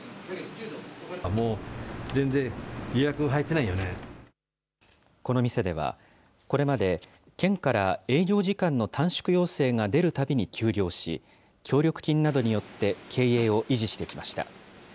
もう全然、この店では、これまで、県から営業時間の短縮要請が出るたびに休業し、協力金などによって経営を維持してきました。